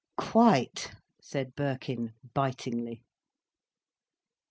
"Quite!" said Birkin, bitingly.